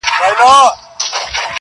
دا راته مه وايه چي تا نه منم دى نه منم.